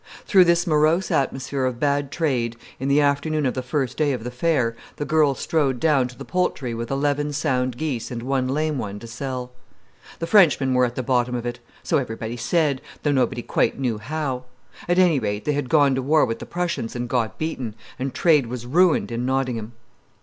Through this morose atmosphere of bad trade, in the afternoon of the first day of the fair, the girl strode down to the Poultry with eleven sound geese and one lame one to sell. The Frenchmen were at the bottom of it! So everybody said, though nobody quite knew how. At any rate, they had gone to war with the Prussians and got beaten, and trade was ruined in Nottingham!